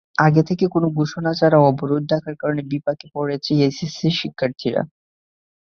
আগে থেকে কোনো ঘোষণা ছাড়া অবরোধ ডাকার কারণে বিপাকে পড়ে এইচএসসি পরীক্ষার্থীরা।